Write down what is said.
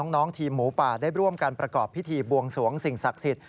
น้องทีมหมูป่าได้ร่วมกันประกอบพิธีบวงสวงสิ่งศักดิ์สิทธิ